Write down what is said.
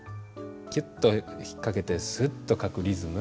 キュッと引っ掛けてスッと書くリズム。